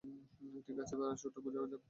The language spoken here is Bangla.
ঠিক আছে, প্যারাশ্যুট খোঁজা যাক।